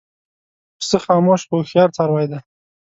پسه خاموش خو هوښیار څاروی دی.